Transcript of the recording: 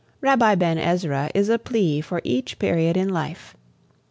"Rabbi Ben Ezra" is a plea for each period in life.